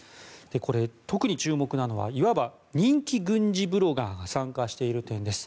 これ、特に注目なのはいわば人気軍事ブロガーが参加している点です。